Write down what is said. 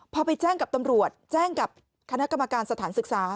พอไปแจ้งกับตำรวจแจ้งกับคณะกรรมการสถานศึกษา